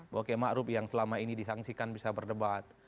bahwa kiai ma'ruf yang selama ini disangsikan bisa berdebat